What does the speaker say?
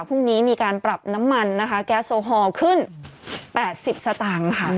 พรุ่งนี้มีการปรับน้ำมันนะคะแก๊สโซฮอลขึ้น๘๐สตางค์ค่ะ